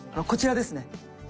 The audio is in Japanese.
こちらですね。